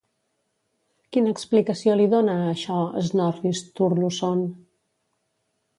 Quina explicació li dona a això Snorri Sturluson?